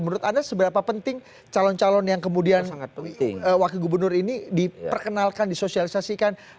menurut anda seberapa penting calon calon yang kemudian wakil gubernur ini diperkenalkan disosialisasikan